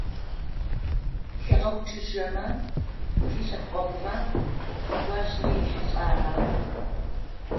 Хэгъэгу чыжьэмэ тилъэпкъэгъумэ уащырихьылӏагъа?